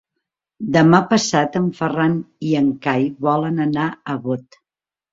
Demà passat en Ferran i en Cai volen anar a Bot.